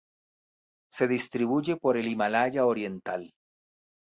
Se distribuye por el Himalaya oriental.